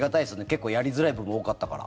結構、やりづらい部分が多かったから。